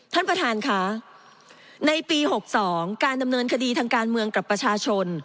ท่านประธานค่ะในปี๖๒การดำเนินคดีทางการเมืองกับประชาชน